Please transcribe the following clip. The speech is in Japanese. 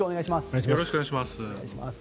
よろしくお願いします。